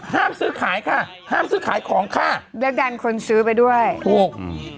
ห้ามซื้อขายค่ะห้ามซื้อขายของข้าแล้วกันคนซื้อไปด้วยพูด